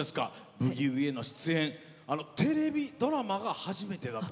「ブギウギ」への出演テレビドラマが初めてだと。